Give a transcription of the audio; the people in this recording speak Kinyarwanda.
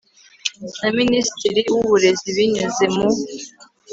na minisitiri w uburezi binyuze mu